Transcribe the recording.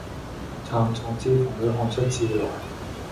纔從字縫裏看出字來，